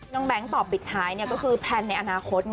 น้องแบงก์ตอบสุดท้ายแพลนในอนาคต